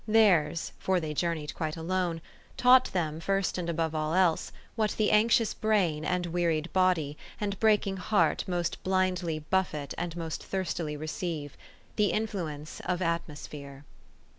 Theirs, for they journeyed quite alone, taught them, first and above all else, what the anxious brain, and wearied body, and breaking heart most blindly buffet and most thirstily receive, the influence of atmosphere.